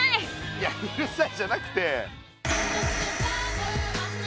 いやうるさいじゃなくて。